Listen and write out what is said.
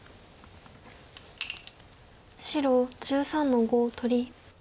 白１３の五取り。